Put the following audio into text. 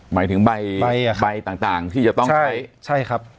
หมายถึงใบต่างที่จะต้องใช้ใช่ครับ